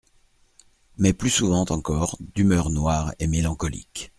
Mais plus souvent encore, d'humeur noire et mélancolique.